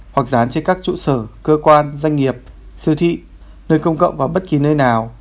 hoặc dán trên các trụ sở cơ quan doanh nghiệp siêu thị nơi công cộng và bất kỳ nơi nào